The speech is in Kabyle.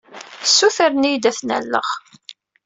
Ssutren-iyi-d ad ten-alleɣ.